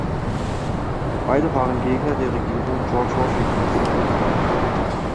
Beide waren Gegner der Regierung George Washingtons.